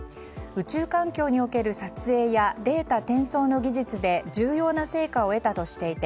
宇宙環境における撮影やデータ転送の技術で重要な成果を得たとしていて